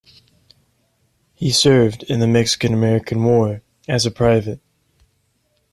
He served in the Mexican-American War as a private.